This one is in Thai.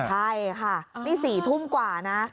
ใช่ค่ะนี่๔ทุ่มกว่านะ